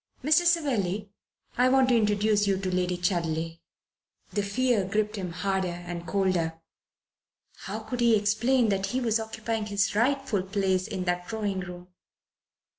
"Mr. Savelli, I want to introduce you to Lady Chudley." The fear gripped him harder and colder. How could he explain that he was occupying his rightful place in that drawing room?